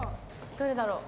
どれだろう。